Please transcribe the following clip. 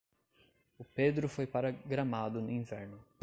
O Pedro foi para Gramado no inverno.